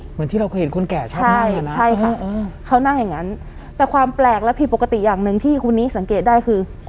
เหมือนที่เราเห็นคนแก่ชาตินั่งอยู่